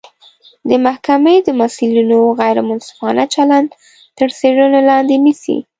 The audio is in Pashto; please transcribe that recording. د محکمې د مسوولینو غیر منصفانه چلند تر څیړنې لاندې نیسي